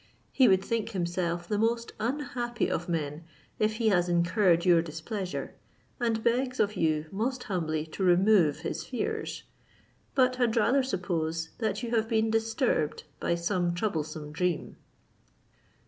He would think himself the most unhappy of men, if he has incurred your displeasure, and begs of you most humbly to remove his fears; but had rather suppose that you have been disturbed by some troublesome dream."